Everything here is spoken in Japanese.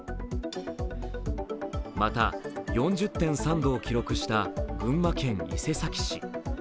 また、４０．３度を記録した群馬県伊勢崎市。